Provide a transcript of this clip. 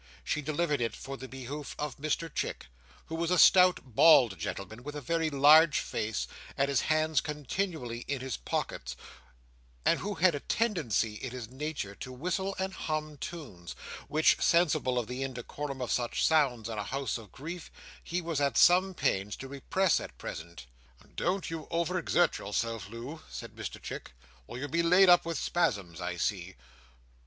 She delivered it for the behoof of Mr Chick, who was a stout bald gentleman, with a very large face, and his hands continually in his pockets, and who had a tendency in his nature to whistle and hum tunes, which, sensible of the indecorum of such sounds in a house of grief, he was at some pains to repress at present. "Don't you over exert yourself, Loo," said Mr Chick, "or you'll be laid up with spasms, I see.